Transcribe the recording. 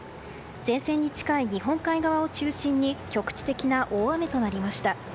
前線に近い日本海側を中心に局地的な大雨となりました。